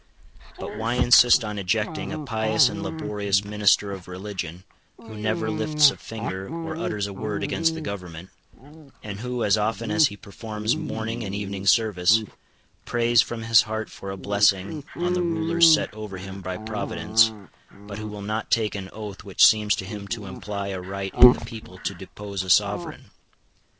But why insist on ejecting a pious and laborious minister of religion, who never lifts a finger or utters a word against the government, and who, as often as he performs morning and evening service, prays from his heart for a blessing on the rulers set over him by Providence, but who will not take an oath which seems to him to imply a right in the people to depose a sovereign?